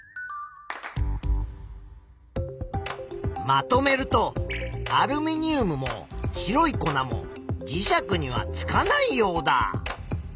まとめるとアルミニウムも白い粉も磁石にはつかないヨウダ。